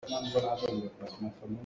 Cakei a hrum lioah va neih hlah.